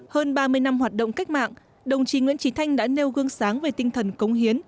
hơn ba mươi năm hoạt động cách mạng đồng chí nguyễn trí thanh đã nêu gương sáng về tinh thần cống hiến